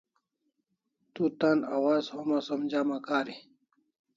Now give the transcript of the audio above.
Tu tan awaz homa som jama kari